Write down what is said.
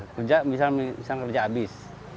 kerja misalnya kerja habis